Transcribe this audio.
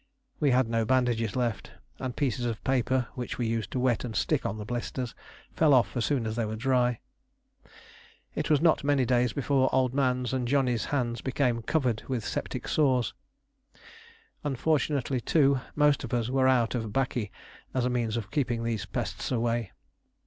We had no bandages left, and pieces of paper which we used to wet and stick on the blisters fell off as soon as they were dry. It was not many days before Old Man's and Johnny's hands became covered with septic sores. Unfortunately, too, most of us were out of 'baccy, as a means of keeping these pests away.